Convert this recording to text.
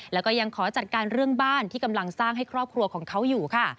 แล้วก็ยังขอจัดการเรื่องบ้านที่กำลังสร้างให้ครอบครัวของเขาอยู่ค่ะ